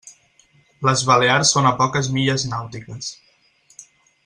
Les Balears són a poques milles nàutiques.